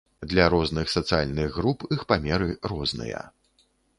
Для розных сацыяльных груп іх памеры розныя.